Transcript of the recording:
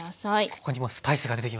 ここにもスパイスが出てきましたね。